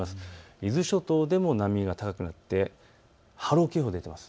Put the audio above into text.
伊豆諸島でも波が高くなって波浪警報が出ています。